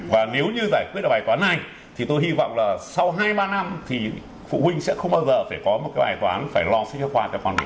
và nếu như giải quyết được bài toán này thì tôi hy vọng là sau hai ba năm thì phụ huynh sẽ không bao giờ phải có một cái bài toán phải lo sách giáo khoa cho con mình